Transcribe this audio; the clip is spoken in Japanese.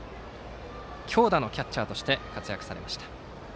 強打のキャッチャーとして活躍されました。